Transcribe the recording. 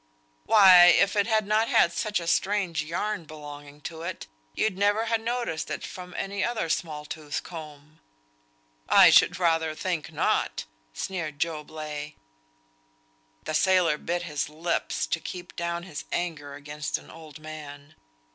"Why, if it had not had such a strange yarn belonging to it, you'd never ha' noticed it from any other small tooth comb." "I should rather think not," sneered Job Legh. The sailor bit his lips to keep down his anger against an old man.